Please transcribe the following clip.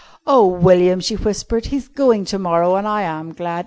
"Oh, William," she whispered, "he's going to morrow, and I am glad.